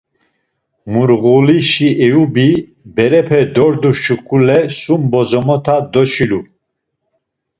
Murğulişi Eyubi, berepe dordu şuǩule sum bozomota doçilu.